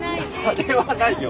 あれはないよ。